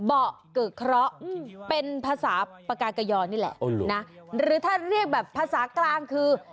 เบาะเกอะเคราะห์เป็นภาษาปากากยอนี่แหละนะหรือถ้าเรียกแบบภาษากลางคือ